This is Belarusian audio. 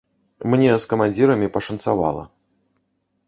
Мне з камандзірамі пашанцавала.